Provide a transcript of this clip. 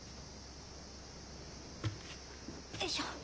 よいしょ。